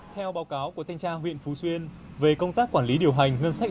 theo báo cáo của thanh tra huyện phú xuyên về công tác quản lý điều hành ngân sách